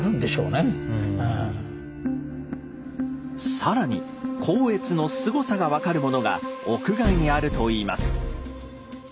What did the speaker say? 更に光悦のすごさが分かるものが屋外にあるといいます。